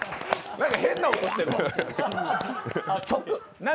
なんか変な音してる。